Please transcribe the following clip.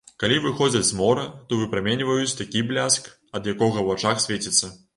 Калі выходзяць з мора, то выпраменьваюць такі бляск, ад якога ў вачах свеціцца.